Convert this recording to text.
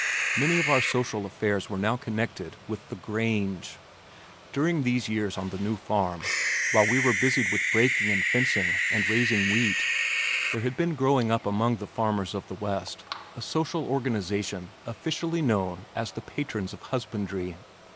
Many of our social affairs were now connected with "the Grange." During these years on the new farm while we were busied with breaking and fencing and raising wheat, there had been growing up among the farmers of the west a social organization officially known as The Patrons of Husbandry.